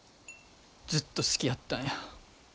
ずっと好きやったんや。